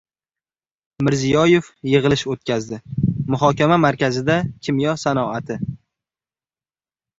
Mirziyoyev yig‘ilish o‘tkazdi. Muhokama markazida – kimyo sanoati